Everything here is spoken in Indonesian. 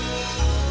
aku menjauhi semoga